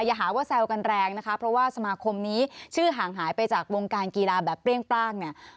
อย่าหาว่าแซวกันแรงนะคะเพราะว่าสมาคมนี้ชื่อห่างหายไปจากวงการกีฬาแบบเปรี้ยงปร่างเนี่ย